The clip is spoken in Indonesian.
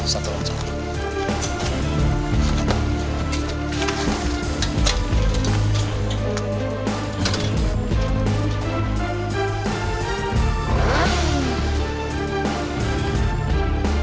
satu lawan satu